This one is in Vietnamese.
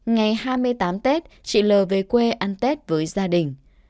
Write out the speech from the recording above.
ngày hai mươi tám tết chị l về quê ăn tết với gia đình